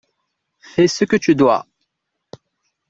Fais ce que tu dois